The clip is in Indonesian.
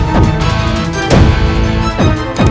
sini sudah dimasukin